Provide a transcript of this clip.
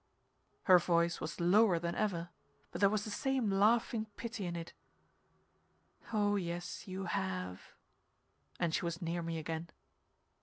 Her voice was lower than ever, but there was the same laughing pity in it. "Oh yes, you have." And she was near me again.